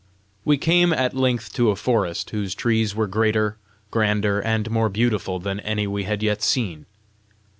We came at length to a forest whose trees were greater, grander, and more beautiful than any we had yet seen.